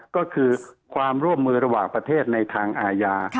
ก็คือความร่วมมือระหว่างประเทศในทางอาญา